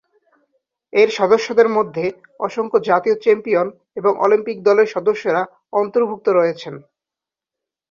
এর সদস্যদের মধ্যে অসংখ্য জাতীয় চ্যাম্পিয়ন এবং অলিম্পিক দলের সদস্যরা অন্তর্ভুক্ত রয়েছেন।